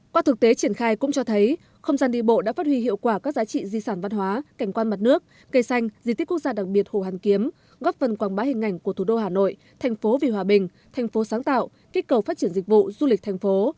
qua thực tế triển khai cũng cho thấy không gian đi bộ đã phát huy hiệu quả các giá trị di sản văn hóa cảnh quan mặt nước cây xanh di tích quốc gia đặc biệt hồ hàn kiếm góp phần quảng bá hình ảnh của thủ đô hà nội thành phố vì hòa bình thành phố sáng tạo kích cầu phát triển dịch vụ du lịch thành phố